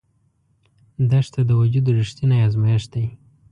دښته د وجود رښتینی ازمېښت دی.